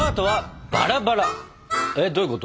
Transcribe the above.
えっどういうこと？